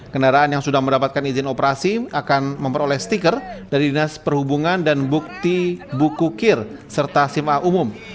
kendaraan yang sudah mendapatkan izin operasi akan memperoleh stiker dari dinas perhubungan dan bukti buku kir serta sim a umum